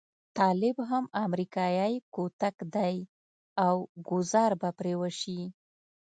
طالب هم امريکايي کوتک دی او ګوزار به پرې وشي.